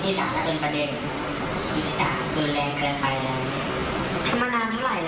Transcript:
ถ้ารีบของตัวนั้นรีบของตัวนี้ความที่จากประสบานความที่จากละเอิญประเด็นความที่จากดูแรงเกินไป